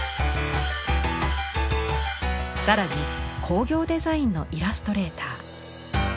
更に工業デザインのイラストレーター。